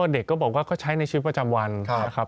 เด็กก็บอกว่าเขาใช้ในชีวิตประจำวันนะครับ